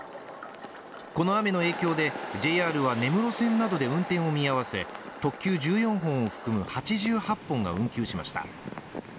この雨の影響でＪＲ根室線などで運転を見合わせ、特急１４号を含む８８本が運休しました。